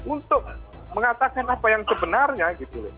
untuk mengatakan apa yang sebenarnya gitu loh